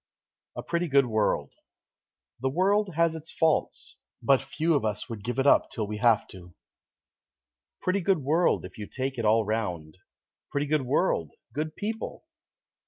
_ A PRETTY GOOD WORLD The world has its faults, but few of us would give it up till we have to. Pretty good world if you take it all round Pretty good world, good people!